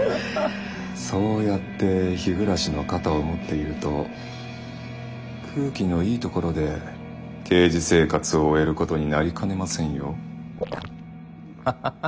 そうやって日暮の肩を持っていると空気のいいところで刑事生活を終えることになりかねませんよ。